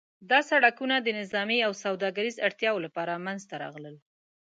دا سړکونه د نظامي او سوداګریز اړتیاوو لپاره منځته راغلل.